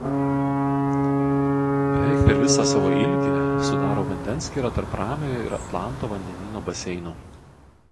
Beveik per visą savo ilgį sudaro vandenskyrą tarp Ramiojo ir Atlanto vandenyno baseinų.